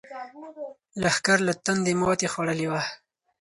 لښکر له تندې ماتې خوړلې وه.